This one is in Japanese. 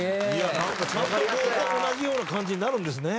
なんかちゃんとこう同じような感じになるんですね。